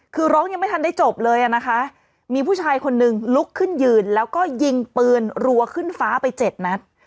คือร้องยังไม่ทันได้จบเลยอ่ะนะคะมีผู้ชายคนนึงลุกขึ้นยืนแล้วก็ยิงปืนรัวขึ้นฟ้าไปเจ็ดนัด